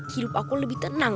hidup aku lebih tenang